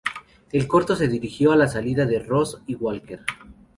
El corto se dirigió a la salida de Ross y Walker.